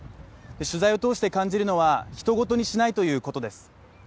取材を通して感じるのはひと事にしないということです。